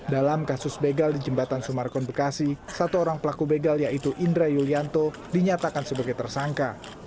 dalam kasus begal di jembatan sumarkon bekasi satu orang pelaku begal yaitu indra yulianto dinyatakan sebagai tersangka